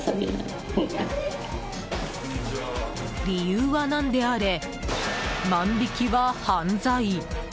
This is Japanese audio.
理由は何であれ、万引きは犯罪。